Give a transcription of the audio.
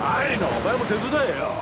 お前も手伝えよ。